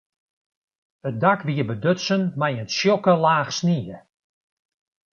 It dak wie bedutsen mei in tsjokke laach snie.